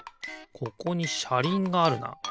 ここにしゃりんがあるな。